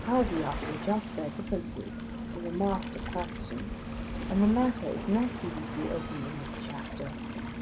How we are to adjust their differences is a master question, and the matter is not even to be opened in this chapter.